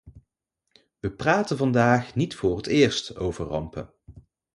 We praten vandaag niet voor het eerst over rampen.